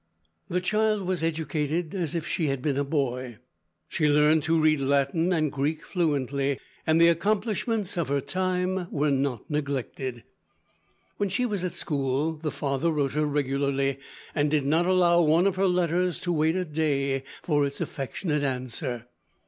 The child was educated as if she had been a boy. She learned to read Latin and Greek fluently, and the accomplishments of her time were not neglected. When she was at school, the father wrote her regularly, and did not allow one of her letters to wait a day for its affectionate answer.